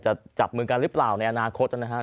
จะจับมือกันหรือเปล่าในอนาคตนะครับ